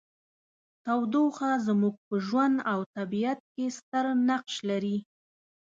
تودوخه زموږ په ژوند او طبیعت کې ستر نقش لري.